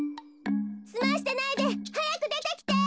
すましてないではやくでてきて！